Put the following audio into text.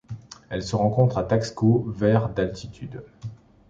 Elle se rencontre à Taxco vers d'altitude.